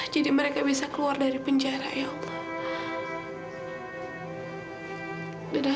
jadi mereka bisa keluar dari penjara ya allah